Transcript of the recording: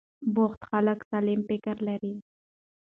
بوخت خلک سالم فکر لري.